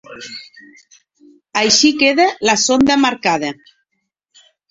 Així queda la sonda marcada.